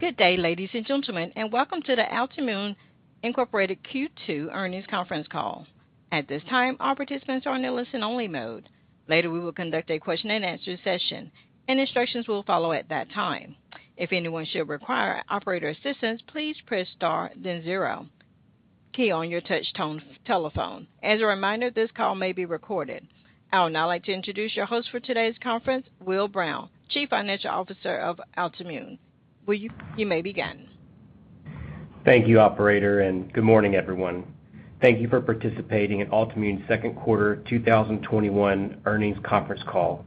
Good day, ladies and gentlemen, and welcome to the Altimmune Incorporated. Q2 earnings conference call. At this time, all participants are in a listen only mode. Later, we will conduct a question and answer session, and instructions will follow at that time. As a reminder, this call may be recorded. I would now like to introduce your host for today's conference, Will Brown, Chief Financial Officer of Altimmune. Will, you may begin. Thank you, operator. Good morning, everyone. Thank you for participating in Altimmune's second quarter 2021 earnings conference call.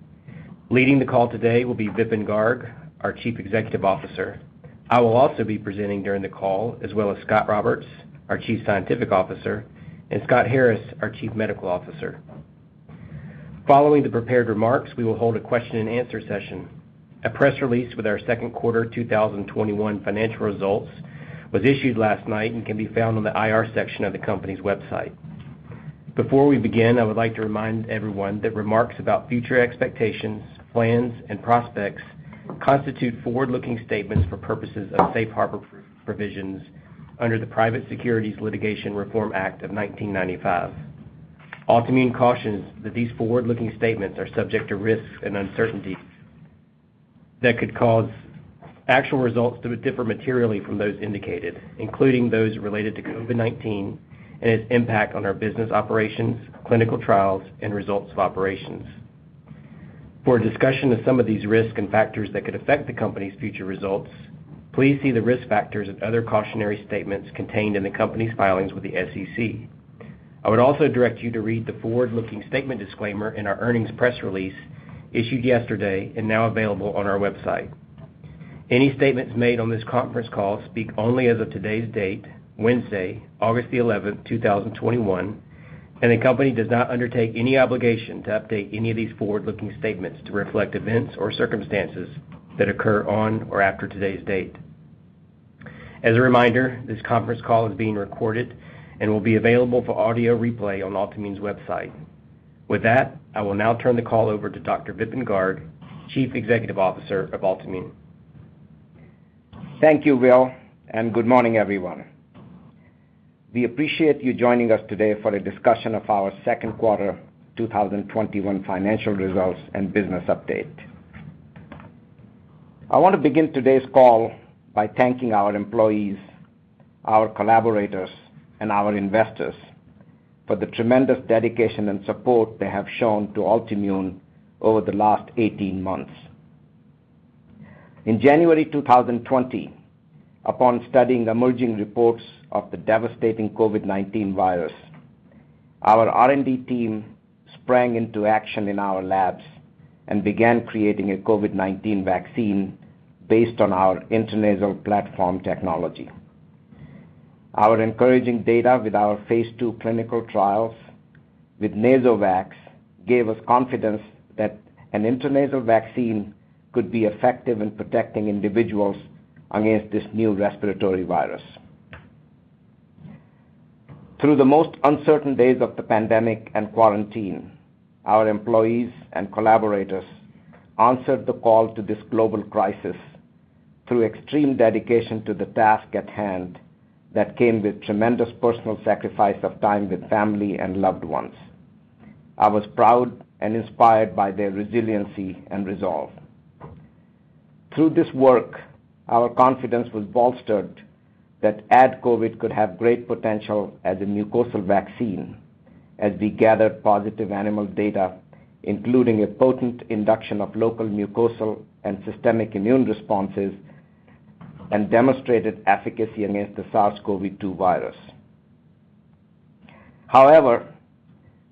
Leading the call today will be Vipin Garg, our Chief Executive Officer. I will also be presenting during the call, as well as Scot Roberts, our Chief Scientific Officer, and Scott Harris, our Chief Medical Officer. Following the prepared remarks, we will hold a question and answer session. A press release with our second quarter 2021 financial results was issued last night and can be found on the IR section of the company's website. Before we begin, I would like to remind everyone that remarks about future expectations, plans, and prospects constitute forward-looking statements for purposes of safe harbor provisions under the Private Securities Litigation Reform Act of 1995. Altimmune cautions that these forward-looking statements are subject to risks and uncertainties that could cause actual results to differ materially from those indicated, including those related to COVID-19 and its impact on our business operations, clinical trials, and results of operations. For a discussion of some of these risks and factors that could affect the company's future results, please see the risk factors and other cautionary statements contained in the company's filings with the SEC. I would also direct you to read the forward-looking statement disclaimer in our earnings press release issued yesterday and now available on our website. Any statements made on this conference call speak only as of today's date, Wednesday, August the 11th, 2021. The company does not undertake any obligation to update any of these forward-looking statements to reflect events or circumstances that occur on or after today's date. As a reminder, this conference call is being recorded and will be available for audio replay on Altimmune's website. With that, I will now turn the call over to Dr. Vipin Garg, Chief Executive Officer of Altimmune. Thank you, Will. Good morning, everyone. We appreciate you joining us today for a discussion of our Q2 2021 financial results and business update. I want to begin today's call by thanking our employees, our collaborators, and our investors for the tremendous dedication and support they have shown to Altimmune over the last 18 months. In January 2020, upon studying emerging reports of the devastating COVID-19 virus, our R&D team sprang into action in our labs and began creating a COVID-19 vaccine based on our intranasal platform technology. Our encouraging data with our phase II clinical trials with NasoVAX gave us confidence that an intranasal vaccine could be effective in protecting individuals against this new respiratory virus. Through the most uncertain days of the pandemic and quarantine, our employees and collaborators answered the call to this global crisis through extreme dedication to the task at hand that came with tremendous personal sacrifice of time with family and loved ones. I was proud and inspired by their resiliency and resolve. Through this work, our confidence was bolstered that AdCOVID could have great potential as a mucosal vaccine as we gathered positive animal data, including a potent induction of local mucosal and systemic immune responses and demonstrated efficacy against the SARS-CoV-2 virus. However,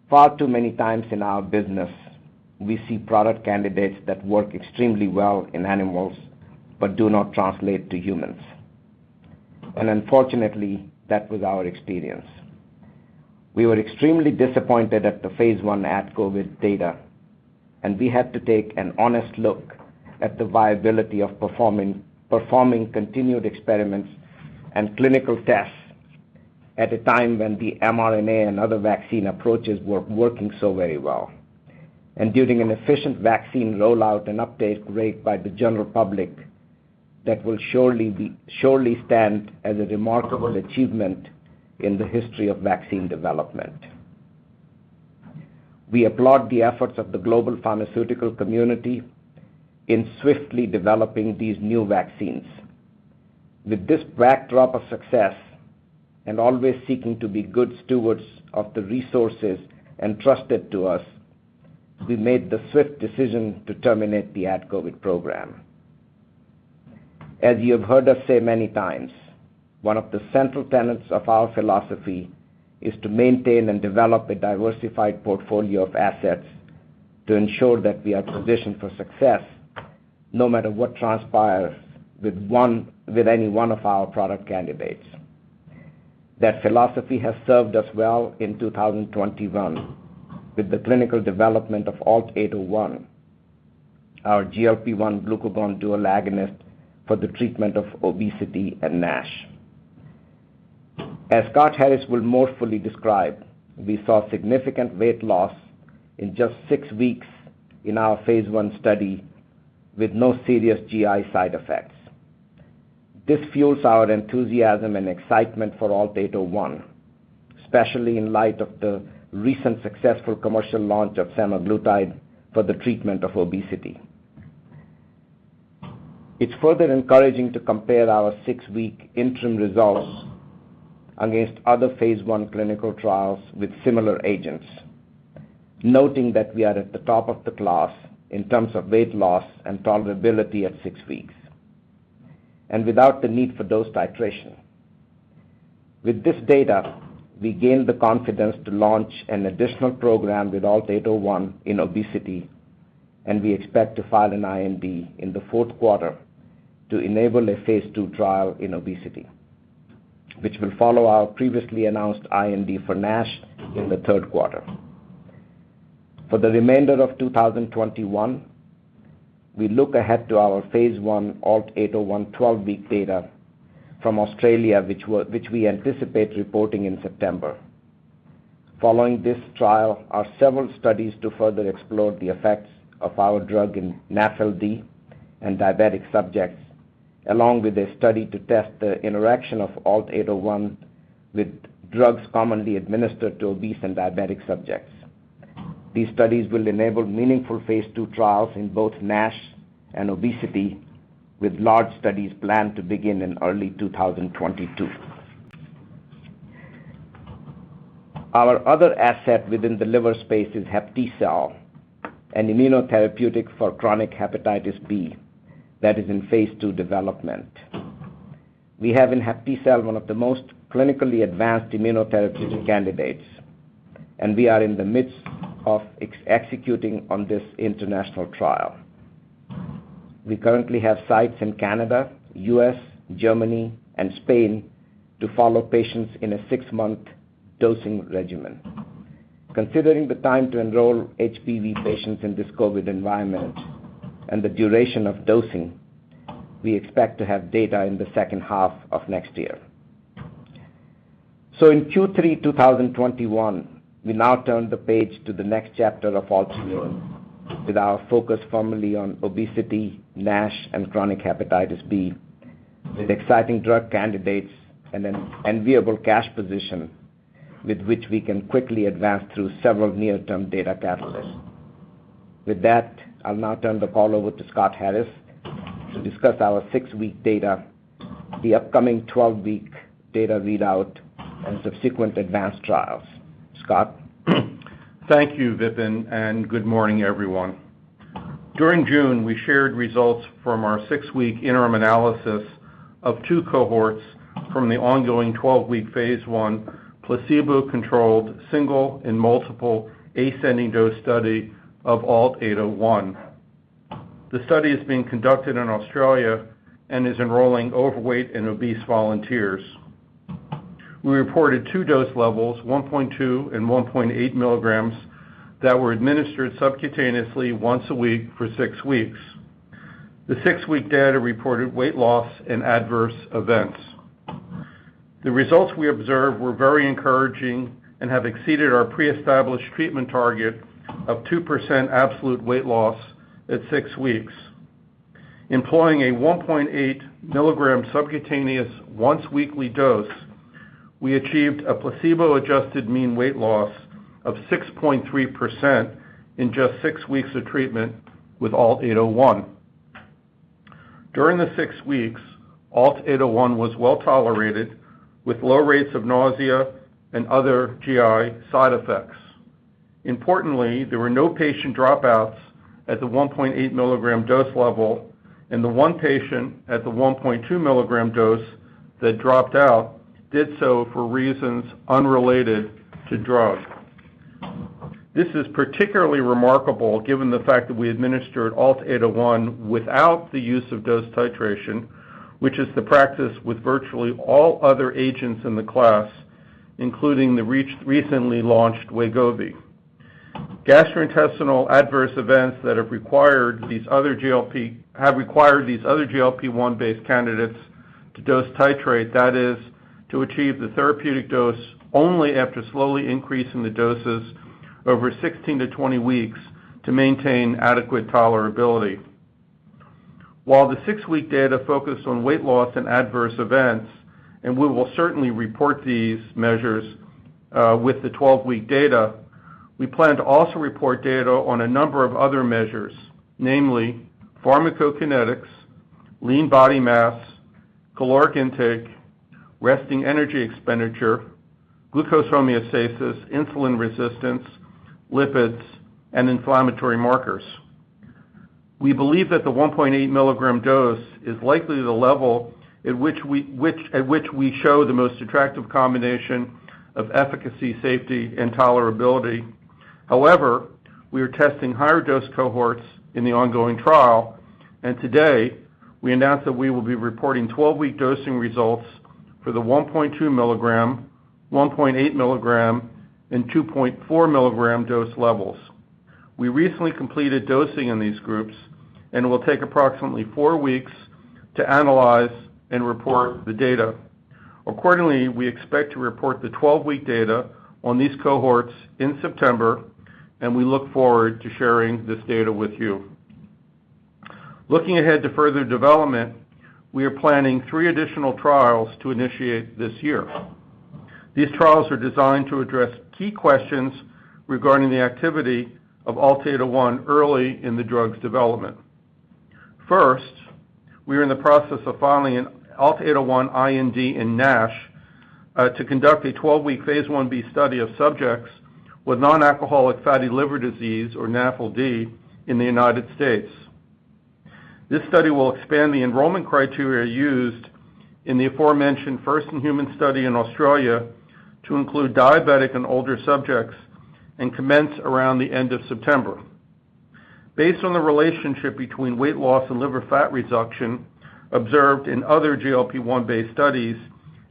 far too many times in our business, we see product candidates that work extremely well in animals but do not translate to humans. Unfortunately, that was our experience. We were extremely disappointed at the phase I AdCOVID data, and we had to take an honest look at the viability of performing continued experiments and clinical tests at a time when the mRNA and other vaccine approaches were working so very well and during an efficient vaccine rollout and uptake rate by the general public that will surely stand as a remarkable achievement in the history of vaccine development. We applaud the efforts of the global pharmaceutical community in swiftly developing these new vaccines. With this backdrop of success and always seeking to be good stewards of the resources entrusted to us, we made the swift decision to terminate the AdCOVID program. As you have heard us say many times, one of the central tenets of our philosophy is to maintain and develop a diversified portfolio of assets to ensure that we are positioned for success no matter what transpires with any one of our product candidates. That philosophy has served us well in 2021 with the clinical development of ALT-801, our GLP-1 glucagon dual agonist for the treatment of obesity and NASH. As Scott Harris will more fully describe, we saw significant weight loss in just six weeks in our phase I study with no serious GI side effects. This fuels our enthusiasm and excitement for ALT-801, especially in light of the recent successful commercial launch of semaglutide for the treatment of obesity. It is further encouraging to compare our six-week interim results against other phase I clinical trials with similar agents, noting that we are at the top of the class in terms of weight loss and tolerability at six weeks, and without the need for dose titration. With this data, we gained the confidence to launch an additional program with ALT-801 in obesity, and we expect to file an IND in the fourth quarter to enable a phase II trial in obesity, which will follow our previously announced IND for NASH in the third quarter. For the remainder of 2021, we look ahead to our phase I ALT-801 12-week data from Australia, which we anticipate reporting in September. Following this trial are several studies to further explore the effects of our drug in NAFLD and diabetic subjects, along with a study to test the interaction of ALT-801 with drugs commonly administered to obese and diabetic subjects. These studies will enable meaningful phase II trials in both NASH and obesity, with large studies planned to begin in early 2022. Our other asset within the liver space is HepTcell, an immunotherapeutic for chronic hepatitis B that is in phase II development. We have in HepTcell one of the most clinically advanced immunotherapeutic candidates, and we are in the midst of executing on this international trial. We currently have sites in Canada, U.S., Germany, and Spain to follow patients in a six-month dosing regimen. Considering the time to enroll HBV patients in this COVID environment and the duration of dosing, we expect to have data in the second half of next year. In Q3 2021, we now turn the page to the next chapter of Altimmune with our focus firmly on obesity, NASH, and chronic hepatitis B with exciting drug candidates and an enviable cash position with which we can quickly advance through several near-term data catalysts. With that, I'll now turn the call over to Scott Harris to discuss our six-week data, the upcoming 12-week data readout, and subsequent advanced trials. Scott? Thank you, Vipin, and good morning, everyone. During June, we shared results from our six-week interim analysis of two cohorts from the ongoing 12-week phase I placebo-controlled single and multiple ascending dose study of ALT-801. The study is being conducted in Australia and is enrolling overweight and obese volunteers. We reported two dose levels, 1.2 and 1.8 mg, that were administered subcutaneously once a week for six weeks. The six-week data reported weight loss and adverse events. The results we observed were very encouraging and have exceeded our pre-established treatment target of 2% absolute weight loss at six weeks. Employing a 1.8 mg subcutaneous once-weekly dose, we achieved a placebo-adjusted mean weight loss of 6.3% in just six weeks of treatment with ALT-801. During the six weeks, ALT-801 was well-tolerated with low rates of nausea and other GI side effects. Importantly, there were no patient dropouts at the 1.8 mg dose level, and the one patient at the 1.2 mg dose that dropped out did so for reasons unrelated to drug. This is particularly remarkable given the fact that we administered ALT-801 without the use of dose titration, which is the practice with virtually all other agents in the class, including the recently launched Wegovy. Gastrointestinal adverse events that have required these other GLP-1-based candidates to dose titrate, that is, to achieve the therapeutic dose only after slowly increasing the doses over 16-20 weeks to maintain adequate tolerability. While the six-week data focused on weight loss and adverse events, and we will certainly report these measures with the 12-week data, we plan to also report data on a number of other measures, namely pharmacokinetics, lean body mass, caloric intake, resting energy expenditure, glucose homeostasis, insulin resistance, lipids, and inflammatory markers. We believe that the 1.8 mg dose is likely the level at which we show the most attractive combination of efficacy, safety, and tolerability. However, we are testing higher dose cohorts in the ongoing trial, and today we announce that we will be reporting 12-week dosing results for the 1.2 mg, 1.8 mg, and 2.4 mg dose levels. We recently completed dosing in these groups, and it will take approximately four weeks to analyze and report the data. Accordingly, we expect to report the 12-week data on these cohorts in September, and we look forward to sharing this data with you. Looking ahead to further development, we are planning three additional trials to initiate this year. These trials are designed to address key questions regarding the activity of ALT-801 early in the drug's development. First, we are in the process of filing an ALT-801 IND in NASH, to conduct a 12-week phase I-B study of subjects with non-alcoholic fatty liver disease, or NAFLD, in the U.S. This study will expand the enrollment criteria used in the aforementioned first-in-human study in Australia to include diabetic and older subjects and commence around the end of September. Based on the relationship between weight loss and liver fat reduction observed in other GLP-1 based studies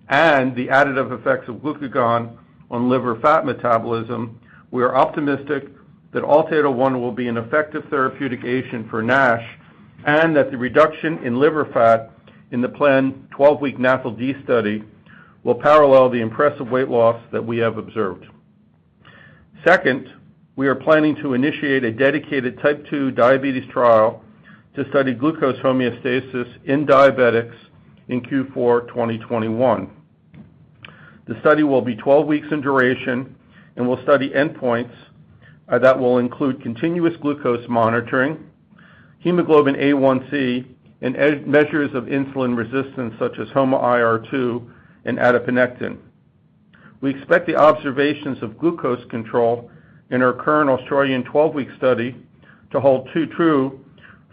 and the additive effects of glucagon on liver fat metabolism, we are optimistic that ALT-801 will be an effective therapeutic agent for NASH and that the reduction in liver fat in the planned 12-week NAFLD study will parallel the impressive weight loss that we have observed. Second, we are planning to initiate a dedicated Type 2 diabetes trial to study glucose homeostasis in diabetics in Q4 2021. The study will be 12 weeks in duration and will study endpoints that will include continuous glucose monitoring, hemoglobin A1c, and measures of insulin resistance such as HOMA2-IR and adiponectin. We expect the observations of glucose control in our current Australian 12-week study to hold true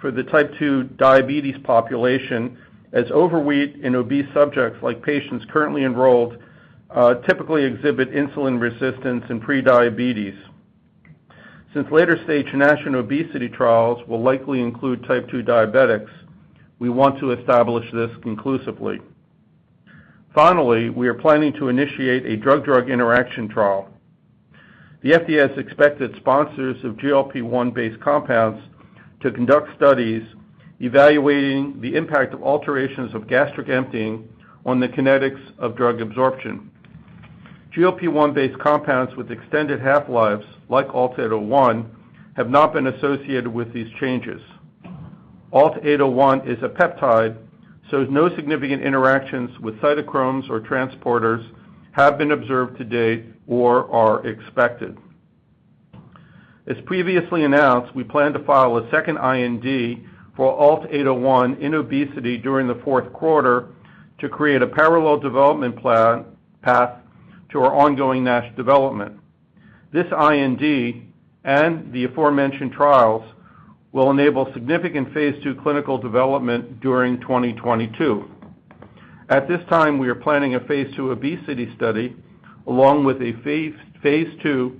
for the Type 2 diabetes population, as overweight and obese subjects like patients currently enrolled, typically exhibit insulin resistance and pre-diabetes. Since later stage NASH and obesity trials will likely include Type 2 diabetics, we want to establish this conclusively. Finally, we are planning to initiate a drug-drug interaction trial. The FDA has expected sponsors of GLP-1 based compounds to conduct studies evaluating the impact of alterations of gastric emptying on the kinetics of drug absorption. GLP-1 based compounds with extended half-lives like ALT-801 have not been associated with these changes. ALT-801 is a peptide, so no significant interactions with cytochromes or transporters have been observed to date or are expected. As previously announced, we plan to file a second IND for ALT-801 in obesity during the fourth quarter to create a parallel development path to our ongoing NASH development. This IND and the aforementioned trials will enable significant phase II clinical development during 2022. At this time, we are planning a phase II obesity study along with a phase II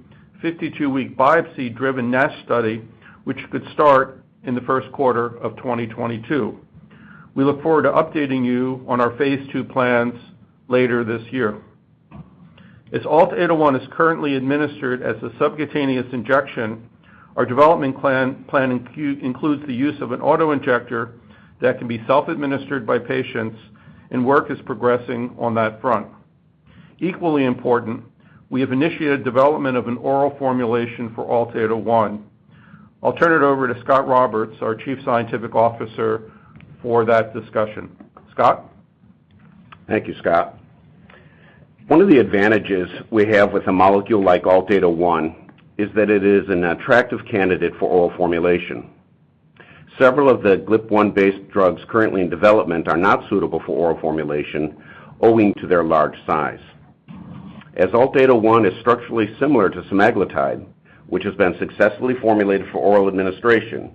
52-week biopsy-driven NASH study, which could start in the first quarter of 2022. We look forward to updating you on our phase II plans later this year. As ALT-801 is currently administered as a subcutaneous injection, our development plan includes the use of an auto-injector that can be self-administered by patients and work is progressing on that front. Equally important, we have initiated development of an oral formulation for ALT-801. I'll turn it over to Scot Roberts, our Chief Scientific Officer, for that discussion. Scot? Thank you, Scott. One of the advantages we have with a molecule like ALT-801 is that it is an attractive candidate for oral formulation. Several of the GLP-1 based drugs currently in development are not suitable for oral formulation owing to their large size. As ALT-801 is structurally similar to semaglutide, which has been successfully formulated for oral administration,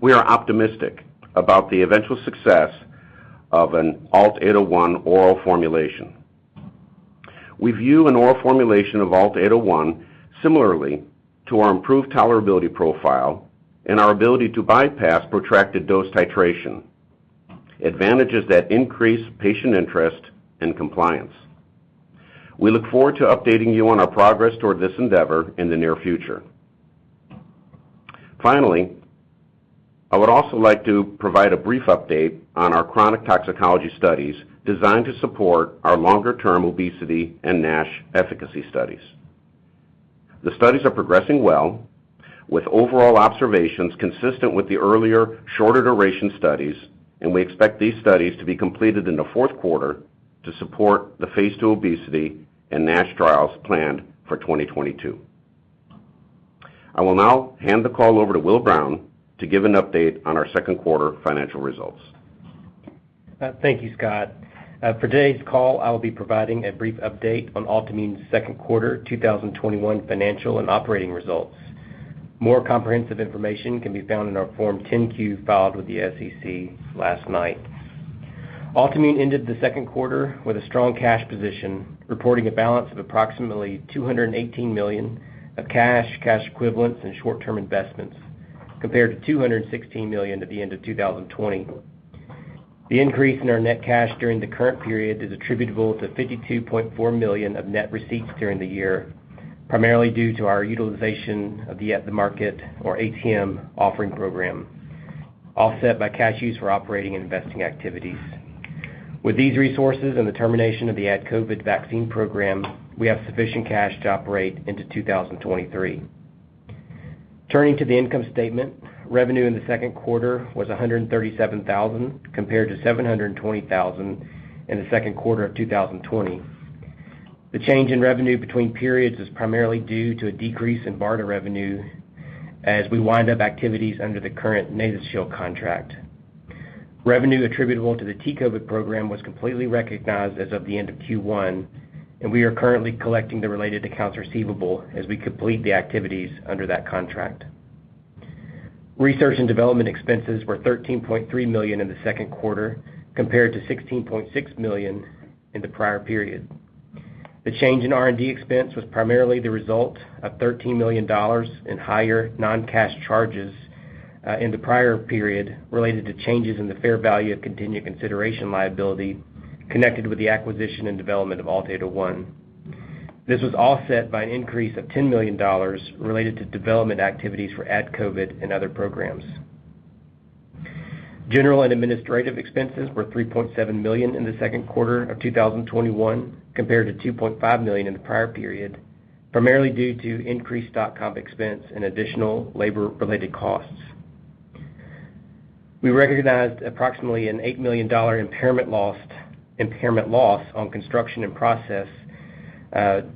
we are optimistic about the eventual success of an ALT-801 oral formulation. We view an oral formulation of ALT-801 similarly to our improved tolerability profile and our ability to bypass protracted dose titration, advantages that increase patient interest and compliance. We look forward to updating you on our progress toward this endeavor in the near future. Finally, I would also like to provide a brief update on our chronic toxicology studies designed to support our longer-term obesity and NASH efficacy studies. The studies are progressing well with overall observations consistent with the earlier shorter duration studies, and we expect these studies to be completed in the fourth quarter to support the phase II obesity and NASH trials planned for 2022. I will now hand the call over to Will Brown to give an update on our second quarter financial results. Thank you, Scot. For today's call, I will be providing a brief update on Altimmune's second quarter 2021 financial and operating results. More comprehensive information can be found in our Form 10-Q filed with the SEC last night. Altimmune ended the second quarter with a strong cash position, reporting a balance of approximately $218 million of cash equivalents, and short-term investments, compared to $216 million at the end of 2020. The increase in our net cash during the current period is attributable to $52.4 million of net receipts during the year, primarily due to our utilization of the at-the-market, or ATM, offering program, offset by cash used for operating and investing activities. With these resources and the termination of the AdCOVID vaccine program, we have sufficient cash to operate into 2023. Turning to the income statement, revenue in the second quarter was $137,000, compared to $720,000 in the second quarter of 2020. The change in revenue between periods is primarily due to a decrease in BARDA revenue as we wind up activities under the current NasoShield contract. Revenue attributable to the T-COVID program was completely recognized as of the end of Q1, and we are currently collecting the related accounts receivable as we complete the activities under that contract. Research and development expenses were $13.3 million in the second quarter, compared to $16.6 million in the prior period. The change in R&D expense was primarily the result of $13 million in higher non-cash charges in the prior period, related to changes in the fair value of contingent consideration liability connected with the acquisition and development of ALT-801. This was offset by an increase of $10 million related to development activities for AdCOVID and other programs. General and administrative expenses were $3.7 million in the second quarter of 2021 compared to $2.5 million in the prior period, primarily due to increased stock comp expense and additional labor-related costs. We recognized approximately an $8 million impairment loss on construction in process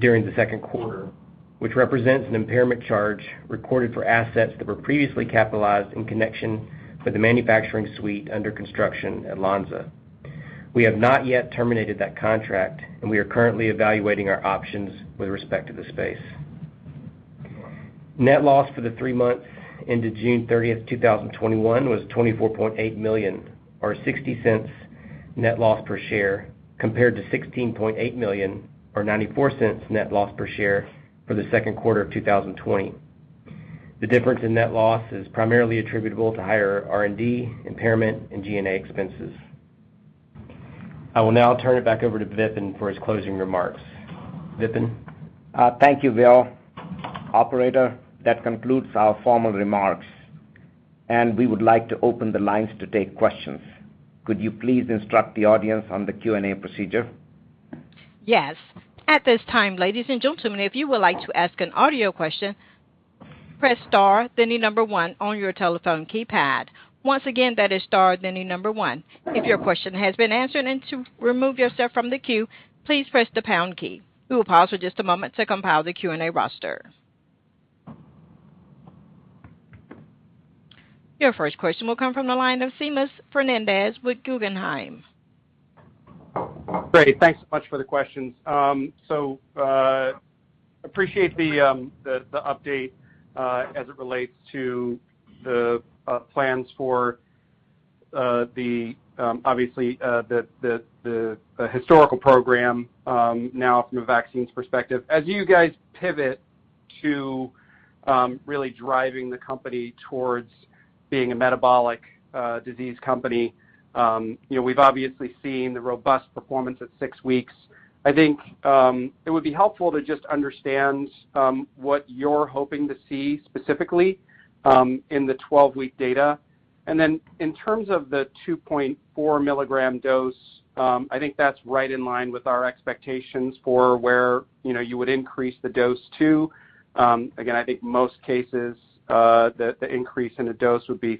during the second quarter, which represents an impairment charge recorded for assets that were previously capitalized in connection with the manufacturing suite under construction at Lonza. We have not yet terminated that contract, we are currently evaluating our options with respect to the space. Net loss for the three months into June 30th, 2021, was $24.8 million, or $0.60 net loss per share, compared to $16.8 million, or $0.94 net loss per share for the second quarter of 2020. The difference in net loss is primarily attributable to higher R&D, impairment, and G&A expenses. I will now turn it back over to Vipin for his closing remarks. Vipin? Thank you, Will. Operator, that concludes our formal remarks, and we would like to open the lines to take questions. Could you please instruct the audience on the Q&A procedure? Yes, at this time ladies and gentlemen, if you would like to ask an audio question, press star then the number one on your telephone keypad. Once again, that is star then the number one. If your question has been answered, to remove yourself from the queue, please press the pound key. We will pause for just a moment to compile the Q&A roster. Your first question will come from the line of Seamus Fernandez with Guggenheim. Great. Thanks so much for the questions. Appreciate the update as it relates to the plans for the historical program now from a vaccines perspective. As you guys pivot to really driving the company towards being a metabolic disease company, we've obviously seen the robust performance at six weeks. I think it would be helpful to just understand what you're hoping to see specifically in the 12-week data. In terms of the 2.4 mg dose, I think that's right in line with our expectations for where you would increase the dose to. Again, I think most cases, the increase in the dose would be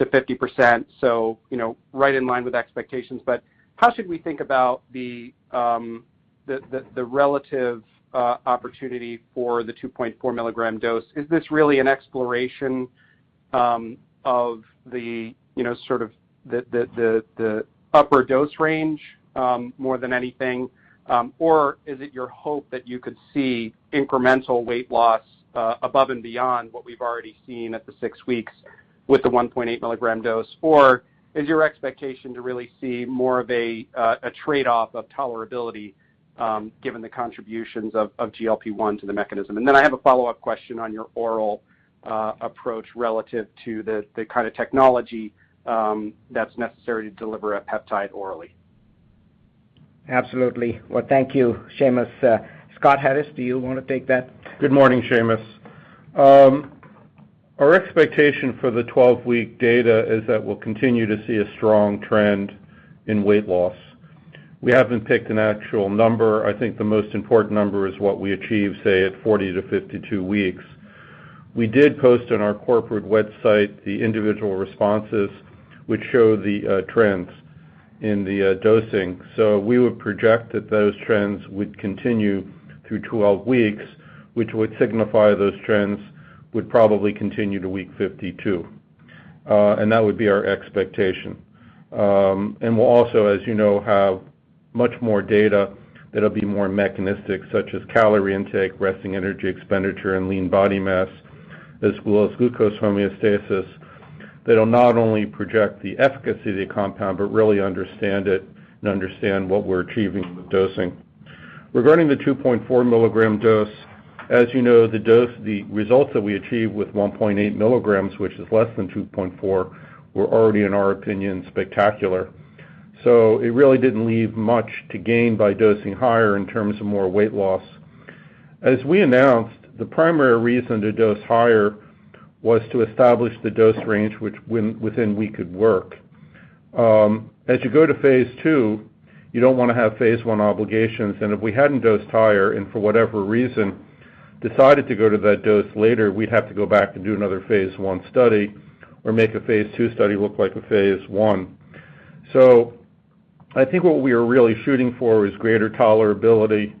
30%-50%, right in line with expectations. How should we think about the relative opportunity for the 2.4 mg dose? Is this really an exploration of the upper dose range more than anything? Is it your hope that you could see incremental weight loss above and beyond what we've already seen at the six weeks with the 1.8 mg dose? Is your expectation to really see more of a trade-off of tolerability given the contributions of GLP-1 to the mechanism? Then I have a follow-up question on your oral approach relative to the kind of technology that's necessary to deliver a peptide orally. Absolutely. Well, thank you, Seamus. Scott Harris, do you want to take that? Good morning, Seamus. Our expectation for the 12-week data is that we'll continue to see a strong trend in weight loss. We haven't picked an actual number. I think the most important number is what we achieve, say, at 40-52 weeks. We did post on our corporate website the individual responses which show the trends in the dosing. We would project that those trends would continue through 12 weeks, which would signify those trends would probably continue to week 52. That would be our expectation. We'll also, as you know, have much more data that'll be more mechanistic, such as calorie intake, resting energy expenditure, and lean body mass, as well as glucose homeostasis, that'll not only project the efficacy of the compound but really understand it and understand what we're achieving with dosing. Regarding the 2.4 mg dose. As you know, the results that we achieved with 1.8 mg, which is less than 2.4 mg, were already, in our opinion, spectacular. It really didn't leave much to gain by dosing higher in terms of more weight loss. As we announced, the primary reason to dose higher was to establish the dose range within we could work. As you go to phase II, you don't want to have phase I obligations, and if we hadn't dosed higher and for whatever reason, decided to go to that dose later, we'd have to go back and do another phase I study or make a phase II study look like a phase I. I think what we are really shooting for is greater tolerability.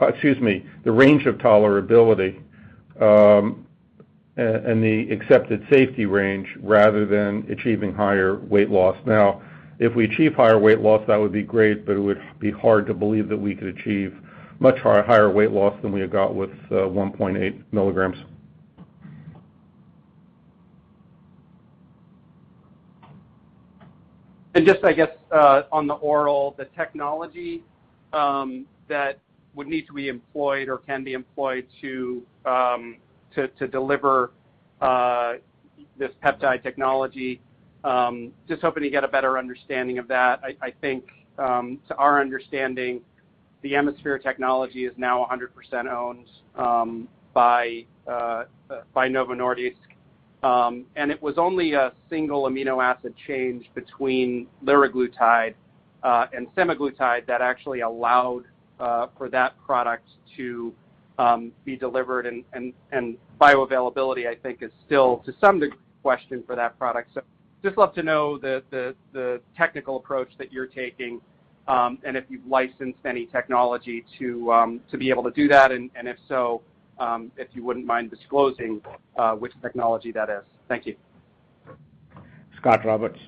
Excuse me, the range of tolerability, and the accepted safety range rather than achieving higher weight loss. If we achieve higher weight loss, that would be great, but it would be hard to believe that we could achieve much higher weight loss than we have got with 1.8 mg. Just I guess, on the oral, the technology that would need to be employed or can be employed to deliver this peptide technology, just hoping to get a better understanding of that. I think, to our understanding, the Emisphere Technologies is now 100% owned by Novo Nordisk. It was only a single amino acid change between liraglutide and semaglutide that actually allowed for that product to be delivered and bioavailability, I think is still to some degree, question for that product. Just love to know the technical approach that you're taking, and if you've licensed any technology to be able to do that, and if so, if you wouldn't mind disclosing which technology that is. Thank you. Scot Roberts.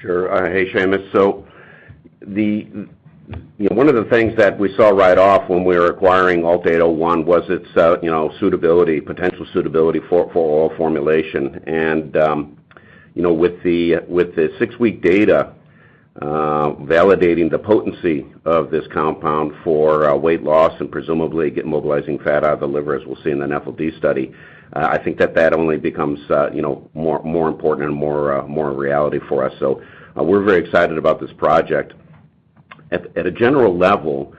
Sure. Hey, Seamus. One of the things that we saw right off when we were acquiring ALT-801 was its potential suitability for oral formulation. With the six-week data validating the potency of this compound for weight loss and presumably get mobilizing fat out of the liver, as we'll see in the NAFLD study. I think that only becomes more important and more a reality for us. We're very excited about this project. At a general level,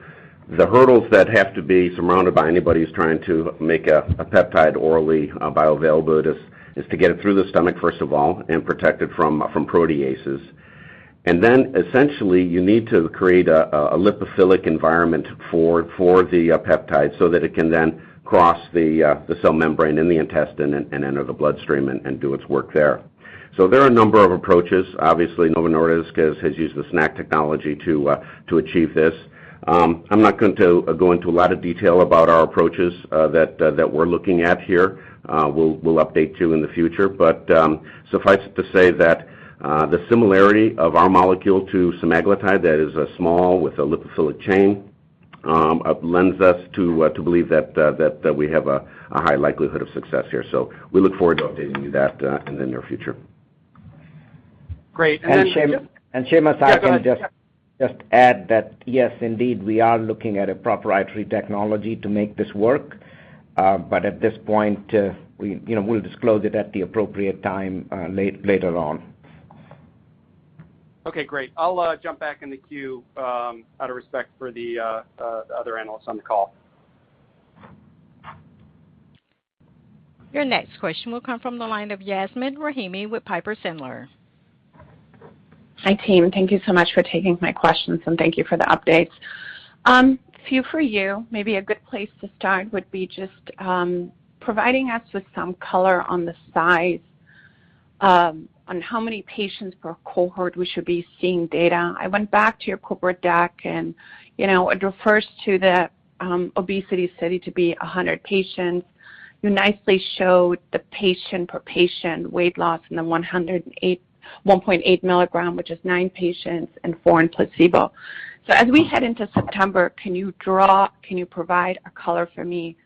the hurdles that have to be surmounted by anybody who's trying to make a peptide orally bioavailable is to get it through the stomach, first of all, and protect it from proteases. Essentially, you need to create a lipophilic environment for the peptide so that it can then cross the cell membrane in the intestine and enter the bloodstream and do its work there. There are a number of approaches. Obviously, Novo Nordisk has used the SNAC technology to achieve this. I'm not going to go into a lot of detail about our approaches that we're looking at here. We'll update you in the future. Suffice it to say that the similarity of our molecule to semaglutide, that is small with a lipophilic chain, lends us to believe that we have a high likelihood of success here. We look forward to updating you that in the near future. Great. Then- And Seamus, I can just- Yeah, go ahead. just add that yes, indeed, we are looking at a proprietary technology to make this work. At this point, we'll disclose it at the appropriate time later on. Okay, great. I'll jump back in the queue, out of respect for the other analysts on the call. Your next question will come from the line of Yasmeen Rahimi with Piper Sandler. Hi, team. Thank you so much for taking my questions and thank you for the updates. Few for you. Maybe a good place to start would be just providing us with some color on the size, on how many patients per cohort we should be seeing data. I went back to your corporate deck, and it refers to the obesity study to be 100 patients. You nicely showed the patient per patient weight loss in the 1.8 mg, which is nine patients and four in placebo. As we head into September, can you provide a color for me,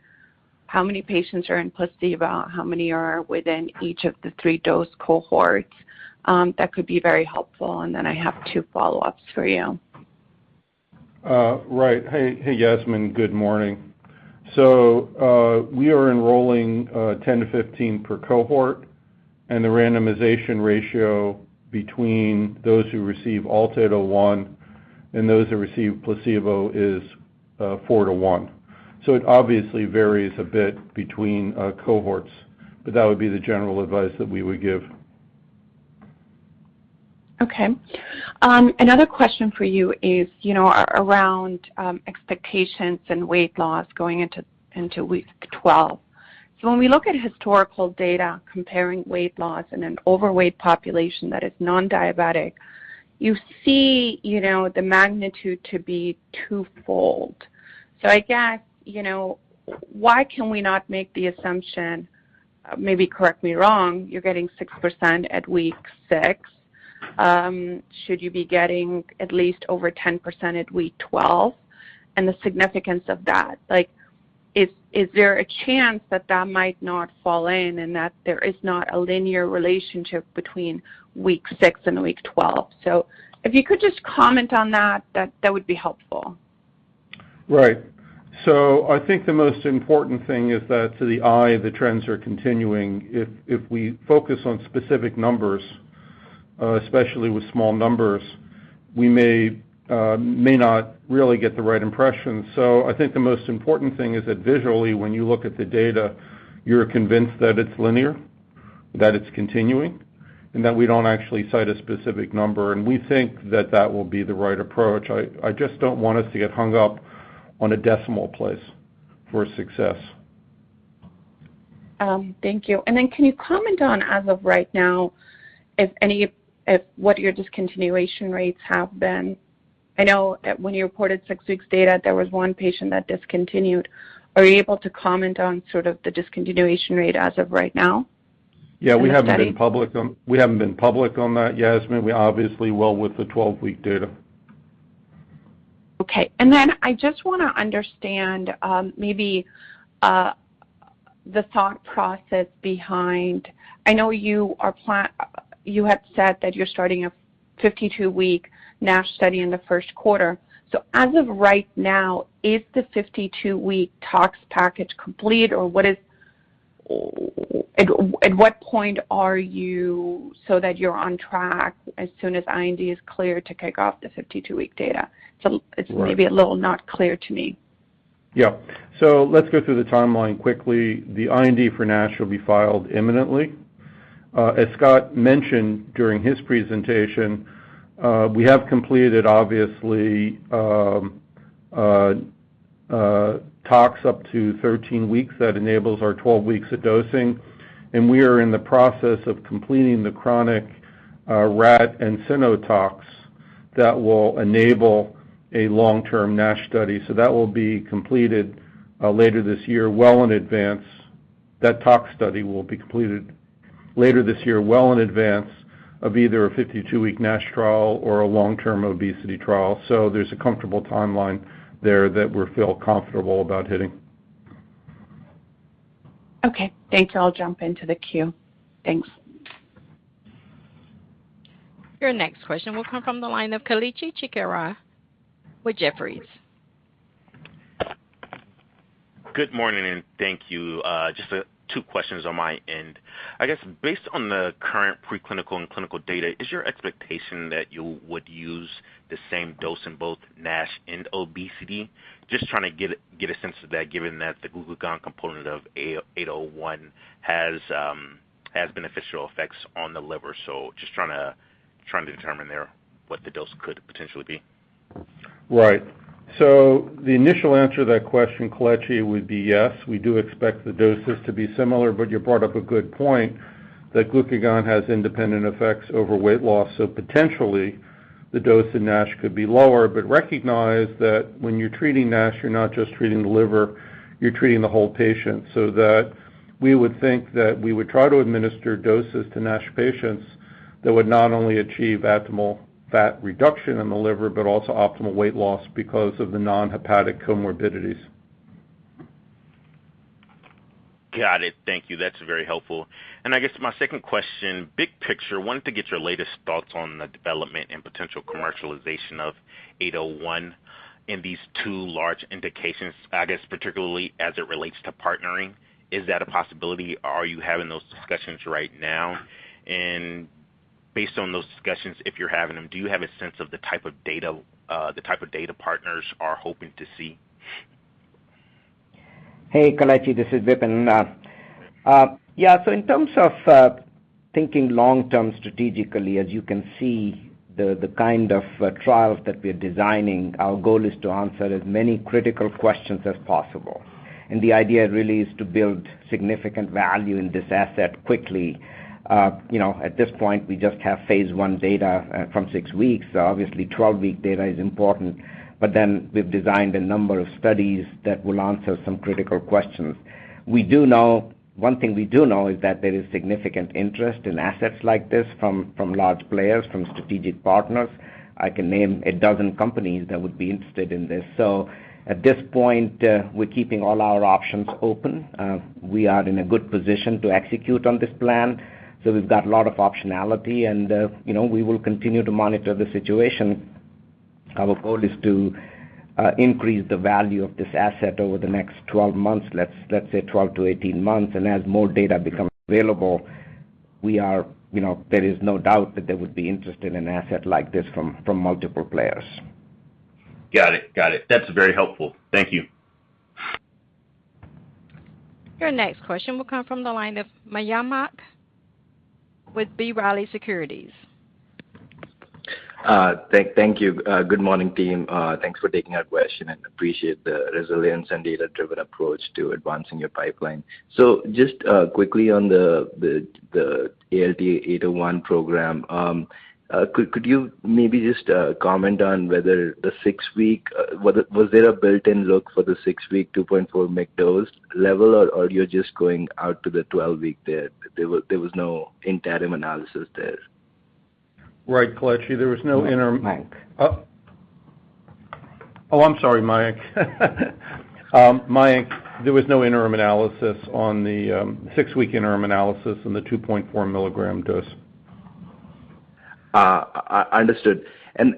how many patients are in placebo? How many are within each of the three dose cohorts? That could be very helpful. I have two follow-ups for you. Right. Hey, Yasmeen. Good morning. We are enrolling 10 to 15 per cohort, and the randomization ratio between those who receive ALT-801 and those who receive placebo is 4:1. It obviously varies a bit between cohorts, but that would be the general advice that we would give. Okay. Another question for you is around expectations and weight loss going into week 12. When we look at historical data comparing weight loss in an overweight population that is non-diabetic, you see the magnitude to be twofold. I guess, why can we not make the assumption, maybe correct me wrong, you're getting 6% at week six. Should you be getting at least over 10% at week 12? The significance of that? Is there a chance that that might not fall in, and that there is not a linear relationship between week six and week 12? If you could just comment on that would be helpful. Right. I think the most important thing is that to the eye, the trends are continuing. If we focus on specific numbers, especially with small numbers, we may not really get the right impression. I think the most important thing is that visually, when you look at the data, you're convinced that it's linear, that it's continuing, and that we don't actually cite a specific number, and we think that that will be the right approach. I just don't want us to get hung up on a decimal place for success. Thank you. Can you comment on, as of right now, what your discontinuation rates have been? I know when you reported six weeks data, there was one patient that discontinued. Are you able to comment on the discontinuation rate as of right now in the study? Yeah, we haven't been public on that, Yasmeen. We obviously will with the 12-week data. Okay. I just want to understand maybe the thought process behind. I know you had said that you're starting a 52-week NASH study in the first quarter. As of right now, is the 52-week tox package complete, or at what point are you so that you're on track as soon as IND is clear to kick off the 52-week data? Right Maybe a little not clear to me. Yeah. Let's go through the timeline quickly. The IND for NASH will be filed imminently. As Scott mentioned during his presentation, we have completed, obviously, tox up to 13 weeks that enables our 12 weeks of dosing, and we are in the process of completing the chronic rat and cyno tox that will enable a long-term NASH study. That will be completed later this year, well in advance. That tox study will be completed later this year, well in advance of either a 52-week NASH trial or a long-term obesity trial. There's a comfortable timeline there that we feel comfortable about hitting. Okay. Thanks. I'll jump into the queue. Thanks. Your next question will come from the line of Kelechi Chikere with Jefferies. Good morning. Thank you. Just two questions on my end. I guess based on the current preclinical and clinical data, is your expectation that you would use the same dose in both NASH and obesity? Just trying to get a sense of that, given that the glucagon component of 801 has beneficial effects on the liver. Just trying to determine there what the dose could potentially be. Right. The initial answer to that question, Kelechi, would be yes. We do expect the doses to be similar, but you brought up a good point that glucagon has independent effects over weight loss, so potentially the dose in NASH could be lower. Recognize that when you're treating NASH, you're not just treating the liver, you're treating the whole patient. That we would think that we would try to administer doses to NASH patients that would not only achieve optimal fat reduction in the liver but also optimal weight loss because of the non-hepatic comorbidities. Got it. Thank you. That's very helpful. I guess my second question, big picture, wanted to get your latest thoughts on the development and potential commercialization of 801 in these two large indications. I guess particularly as it relates to partnering, is that a possibility, or are you having those discussions right now? Based on those discussions, if you're having them, do you have a sense of the type of data partners are hoping to see? Hey, Kelechi, this is Vipin. Yeah. In terms of thinking long term strategically, as you can see, the kind of trials that we're designing, our goal is to answer as many critical questions as possible. The idea really is to build significant value in this asset quickly. At this point, we just have phase I data from six weeks. Obviously, 12-week data is important. We've designed a number of studies that will answer some critical questions. One thing we do know is that there is significant interest in assets like this from large players, from strategic partners. I can name 12 companies that would be interested in this. At this point, we're keeping all our options open. We are in a good position to execute on this plan. We've got a lot of optionality, and we will continue to monitor the situation. Our goal is to increase the value of this asset over the next 12 months, let's say 12 to 18 months. As more data becomes available, there is no doubt that there would be interest in an asset like this from multiple players. Got it. That's very helpful. Thank you. Your next question will come from the line of Mayank with B. Riley Securities. Thank you. Good morning, team. Thanks for taking our question, and appreciate the resilience and data-driven approach to advancing your pipeline. Just quickly on the ALT-801 program, could you maybe just comment on whether was there a built-in look for the six-week 2.4 mg dose level, or you're just going out to the 12-week there? There was no interim analysis there. Right, Kelechi, there was no interim- Mayank. Oh, I'm sorry, Mayank. Mayank, there was no six-week interim analysis on the 2.4 mg dose. Understood. On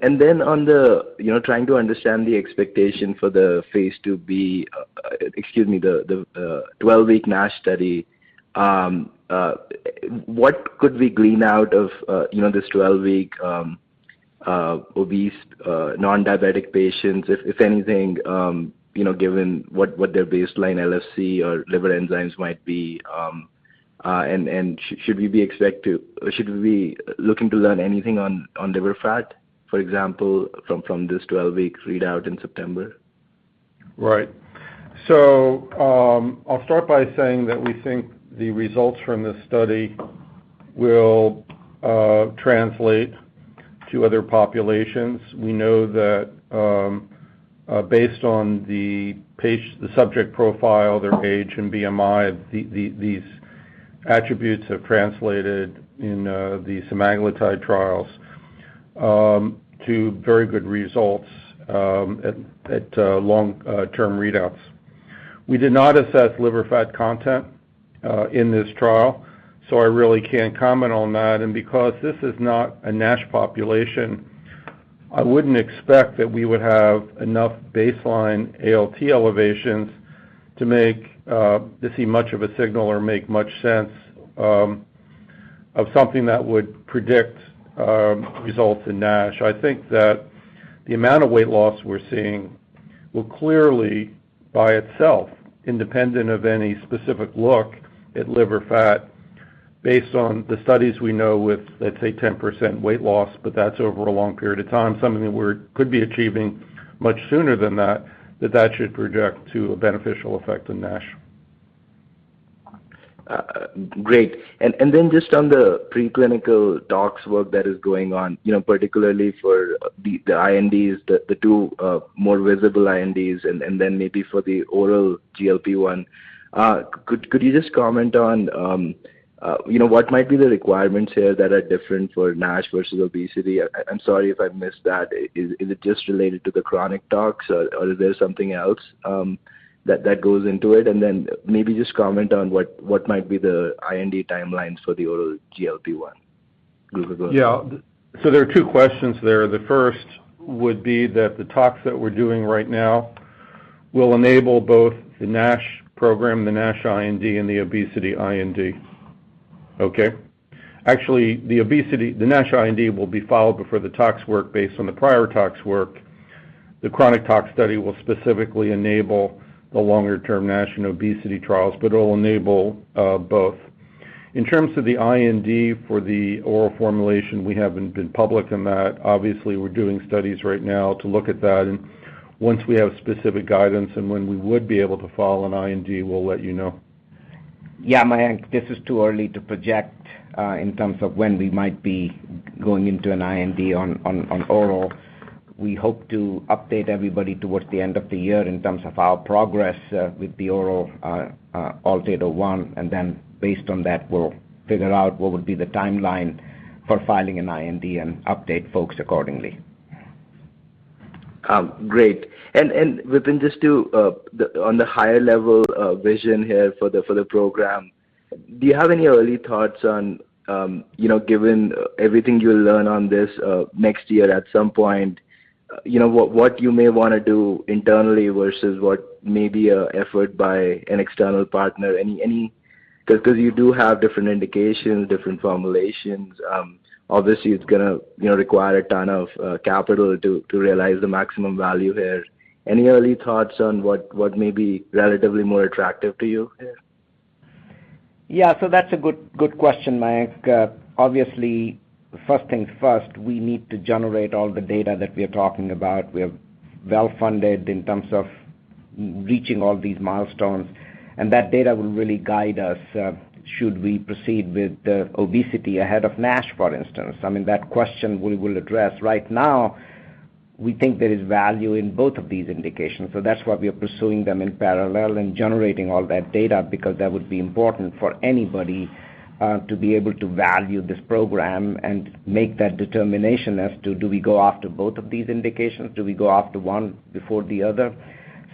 trying to understand the expectation for the 12-week NASH study, what could we glean out of this 12-week obese non-diabetic patients, if anything, given what their baseline LFC or liver enzymes might be? Should we be looking to learn anything on liver fat, for example, from this 12-week readout in September? Right. I'll start by saying that we think the results from this study will translate to other populations. We know that based on the subject profile, their age, and BMI, these attributes have translated in the semaglutide trials to very good results at long-term readouts. We did not assess liver fat content in this trial, so I really can't comment on that. Because this is not a NASH population, I wouldn't expect that we would have enough baseline ALT elevations to see much of a signal or make much sense of something that would predict results in NASH. I think that the amount of weight loss we're seeing will clearly, by itself, independent of any specific look at liver fat, based on the studies we know with, let's say, 10% weight loss, but that's over a long period of time, something that we could be achieving much sooner than that that should project to a beneficial effect in NASH. Great. Just on the preclinical tox work that is going on, particularly for the INDs, the two more visible INDs, and then maybe for the oral GLP-1, could you just comment on what might be the requirements here that are different for NASH versus obesity? I'm sorry if I missed that. Is it just related to the chronic tox, or is there something else that goes into it? Maybe just comment on what might be the IND timelines for the oral GLP-1. Yeah. There are two questions there. The first would be that the tox that we're doing right now will enable both the NASH program, the NASH IND, and the obesity IND. Okay. Actually, the NASH IND will be filed before the tox work based on the prior tox work. The chronic tox study will specifically enable the longer-term NASH and obesity trials, but it will enable both. In terms of the IND for the oral formulation, we haven't been public on that. Obviously, we're doing studies right now to look at that, and once we have specific guidance and when we would be able to file an IND, we'll let you know. Yeah, Mayank, this is too early to project in terms of when we might be going into an IND on oral. We hope to update everybody towards the end of the year in terms of our progress with the oral ALT-801, and then based on that, we'll figure out what would be the timeline for filing an IND and update folks accordingly. Great. Vipin, just on the higher level vision here for the program, do you have any early thoughts on, given everything you'll learn on this next year at some point, what you may want to do internally versus what may be an effort by an external partner? You do have different indications, different formulations. Obviously, it's going to require a ton of capital to realize the maximum value here. Any early thoughts on what may be relatively more attractive to you here? Yeah. That's a good question, Mayank Mamtani. Obviously, first things first, we need to generate all the data that we are talking about. We are well-funded in terms of reaching all these milestones, and that data will really guide us, should we proceed with obesity ahead of NASH, for instance. That question we will address. Right now, we think there is value in both of these indications. That's why we are pursuing them in parallel and generating all that data because that would be important for anybody to be able to value this program and make that determination as to, do we go after both of these indications? Do we go after one before the other?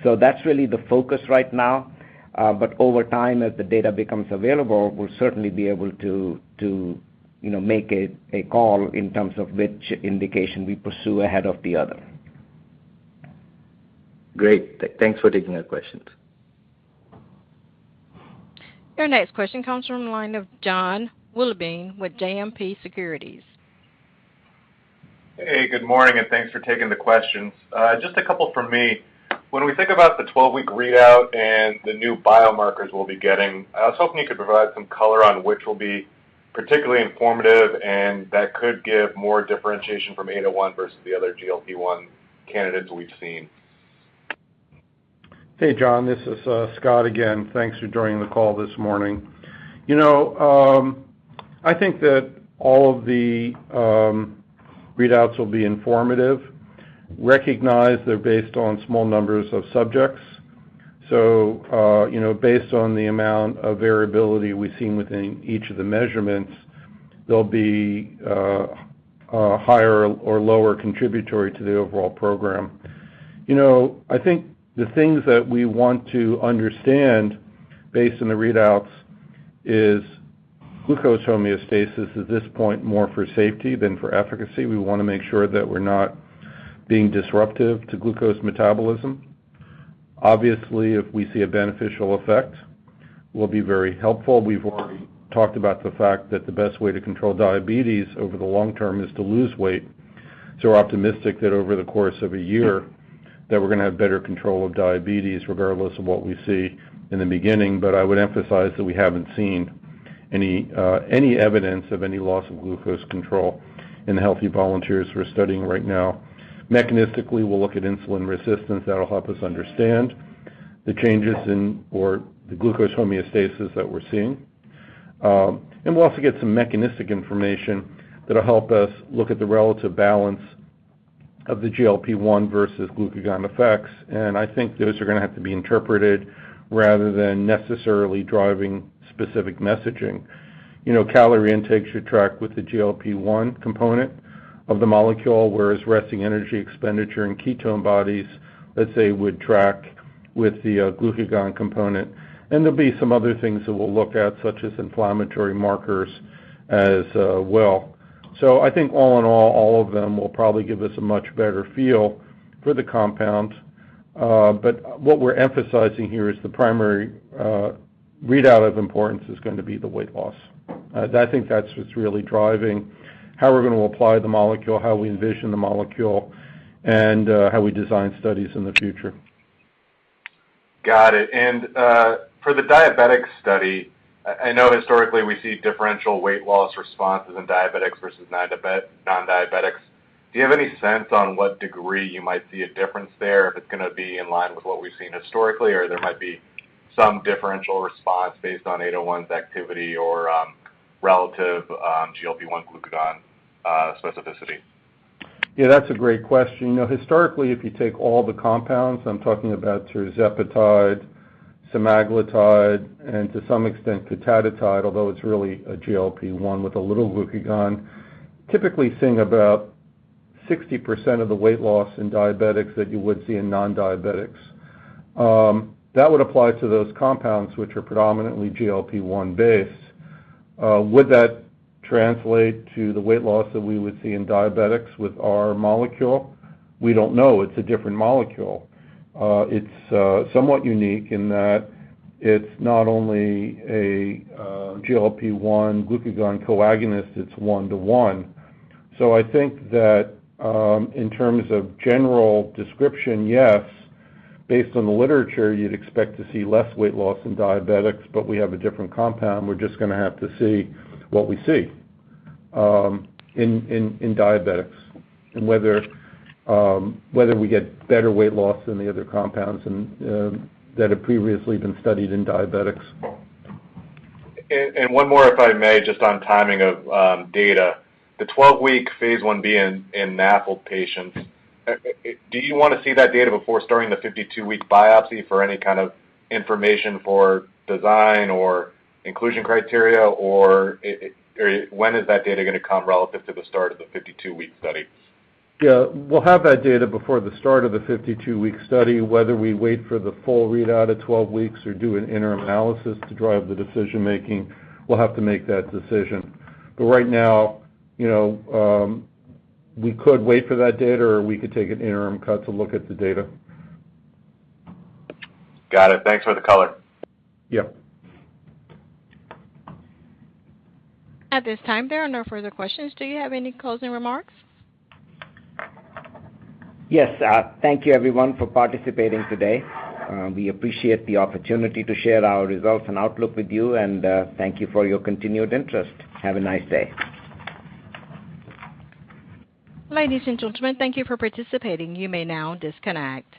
That's really the focus right now. Over time, as the data becomes available, we'll certainly be able to make a call in terms of which indication we pursue ahead of the other. Great. Thanks for taking the questions. Your next question comes from the line of Jon Wolleben with JMP Securities. Hey, good morning, and thanks for taking the questions. Just a couple from me. When we think about the 12-week readout and the new biomarkers we'll be getting, I was hoping you could provide some color on which will be particularly informative and that could give more differentiation from 801 versus the other GLP-1 candidates we've seen. Hey, Jon. This is Scot again. Thanks for joining the call this morning. I think that all of the readouts will be informative. Recognize they're based on small numbers of subjects. Based on the amount of variability we've seen within each of the measurements, they'll be higher or lower contributory to the overall program. I think the things that we want to understand based on the readouts, is glucose homeostasis at this point more for safety than for efficacy? We want to make sure that we're not being disruptive to glucose metabolism. Obviously, if we see a beneficial effect, we'll be very helpful. We've already talked about the fact that the best way to control diabetes over the long term is to lose weight. We're optimistic that over the course of a year, that we're going to have better control of diabetes, regardless of what we see in the beginning. I would emphasize that we haven't seen any evidence of any loss of glucose control in the healthy volunteers we're studying right now. Mechanistically, we'll look at insulin resistance. That'll help us understand the changes in, or the glucose homeostasis that we're seeing. We'll also get some mechanistic information that'll help us look at the relative balance of the GLP-1 versus glucagon effects. I think those are going to have to be interpreted rather than necessarily driving specific messaging. Calorie intake should track with the GLP-1 component of the molecule, whereas resting energy expenditure and ketone bodies, let's say, would track with the glucagon component. There'll be some other things that we'll look at, such as inflammatory markers as well. I think all in all of them will probably give us a much better feel for the compound. What we're emphasizing here is the primary readout of importance is going to be the weight loss. I think that's what's really driving how we're going to apply the molecule, how we envision the molecule, and how we design studies in the future. Got it. For the diabetic study, I know historically we see differential weight loss responses in diabetics versus non-diabetics. Do you have any sense on what degree you might see a difference there, if it's going to be in line with what we've seen historically, or there might be some differential response based on 801's activity or relative GLP-1 glucagon specificity? Yeah, that's a great question. Historically, if you take all the compounds, I'm talking about tirzepatide, semaglutide, and to some extent, cotadutide, although it's really a GLP-1 with a little glucagon, typically seeing about 60% of the weight loss in diabetics that you would see in non-diabetics. That would apply to those compounds which are predominantly GLP-1 based. Would that translate to the weight loss that we would see in diabetics with our molecule? We don't know. It's a different molecule. It's somewhat unique in that it's not only a GLP-1 glucagon co-agonist, it's 1 to 1. I think that in terms of general description, yes, based on the literature, you'd expect to see less weight loss in diabetics, but we have a different compound. We're just going to have to see what we see in diabetics and whether we get better weight loss than the other compounds that have previously been studied in diabetics. One more, if I may, just on timing of data. The 12-week phase I-B in NAFLD patients, do you want to see that data before starting the 52-week biopsy for any kind of information for design or inclusion criteria, or when is that data going to come relative to the start of the 52-week study? Yeah, we'll have that data before the start of the 52-week study. Whether we wait for the full readout at 12 weeks or do an interim analysis to drive the decision making, we'll have to make that decision. Right now, we could wait for that data or we could take an interim cut to look at the data. Got it. Thanks for the color. Yep. At this time, there are no further questions. Do you have any closing remarks? Yes. Thank you everyone for participating today. We appreciate the opportunity to share our results and outlook with you, and thank you for your continued interest. Have a nice day. Ladies and gentlemen, thank you for participating. You may now disconnect.